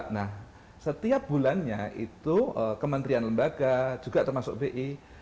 nah setiap bulannya itu kementerian lembaga juga termasuk bi